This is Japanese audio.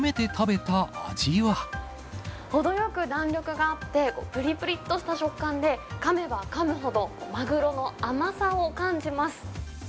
ほどよく弾力があって、ぷりぷりっとした食感で、かめばかむほどマグロの甘さを感じます。